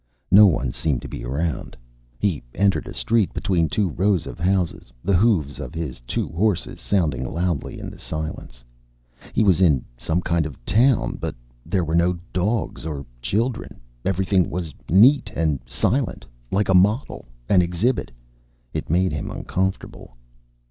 No one seemed to be around. He entered a street between two rows of houses, the hoofs of his two horses sounding loudly in the silence. He was in some kind of town. But there were no dogs or children. Everything was neat and silent. Like a model. An exhibit. It made him uncomfortable.